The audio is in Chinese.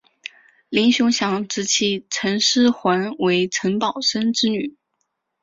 林熊祥之妻陈师桓为陈宝琛之女。